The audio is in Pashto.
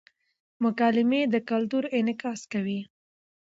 مکالمې د کلتور انعکاس کوي.